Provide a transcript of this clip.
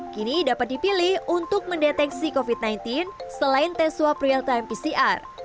kini dapat dipilih untuk mendeteksi covid sembilan belas selain tes swab real time pcr